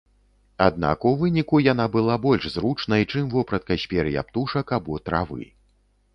Аднак у выніку яна была больш зручнай, чым вопратка з пер'я птушак або травы.